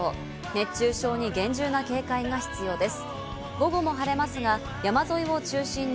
熱中症に厳重な警戒が必要です。